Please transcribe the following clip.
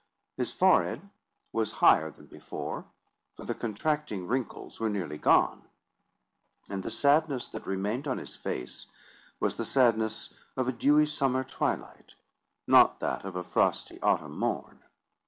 His forehead was higher than before, for the contracting wrinkles were nearly gone; and the sadness that remained on his face was the sadness of a dewy summer twilight, not that of a frosty autumn morn.